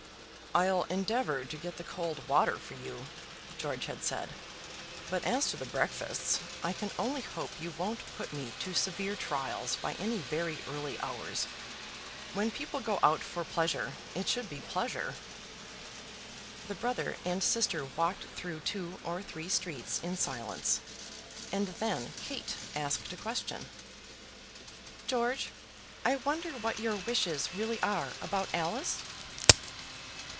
"I'll endeavour to get the cold water for you," George had said; "but as to the breakfasts, I can only hope you won't put me to severe trials by any very early hours. When people go out for pleasure it should be pleasure." The brother and sister walked through two or three streets in silence, and then Kate asked a question. "George, I wonder what your wishes really are about Alice?"